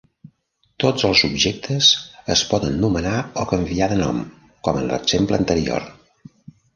Tots els objectes es poden nomenar o canviar de nom, com en l'exemple anterior.